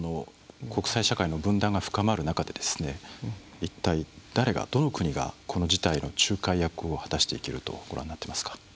国際社会の分断が深まる中で一体、誰が、どの国がこの事態の仲介役を果たしていけるとお考えになっていますか。